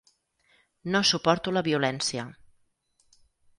No suporto la violència.